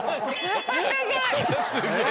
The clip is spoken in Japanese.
すごい！